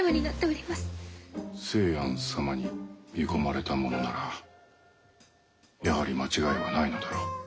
清庵様に見込まれた者ならやはり間違いはないのだろう。